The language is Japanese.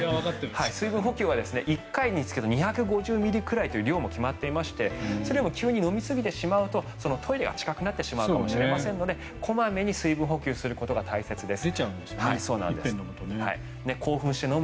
水分補給は１回につき２５０ミリくらいという量も決まっていましてそれよりも急に飲みすぎてしまうとトイレが近くなってしまいますので小まめに水分補給することが大切です。